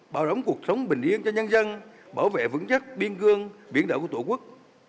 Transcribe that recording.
bảo đồng cuộc sống bình yên cho nhân dân bảo vệ vững chất biên cương viễn đỡ của tổ quốc